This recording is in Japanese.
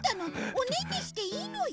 おねんねしていいのよ。